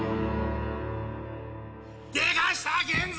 でかした源蔵！